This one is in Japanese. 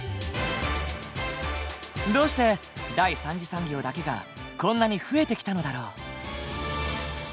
どうして第三次産業だけがこんなに増えてきたのだろう？